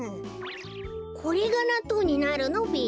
これがなっとうになるのべ？